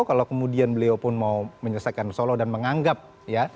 kalau kemudian beliau pun mau menyelesaikan solo dan menganggap ya